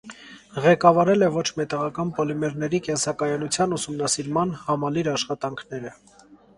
Ղեկավարել է ոչ մետաղական պոլիմերների կենսակայունության ուսումնասիրման համալիր աշխատանքները։